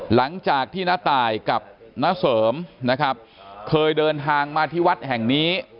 หลังจากที่น้าตายกับน้าเสริมนะครับเคยเดินทางมาที่วัดแห่งนี้